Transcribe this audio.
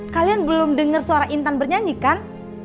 kalian belum denger suara intan bernyanyikan